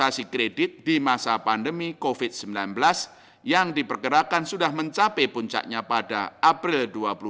transaksi kredit di masa pandemi covid sembilan belas yang diperkirakan sudah mencapai puncaknya pada april dua ribu dua puluh